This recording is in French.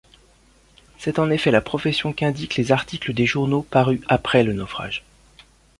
C'est en effet la profession qu'indiquent les articles des journaux parus après le naufrage.